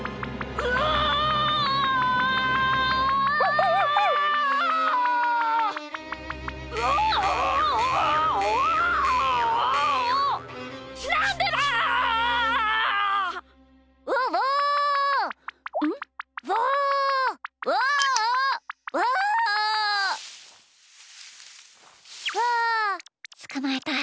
ウオつかまえた。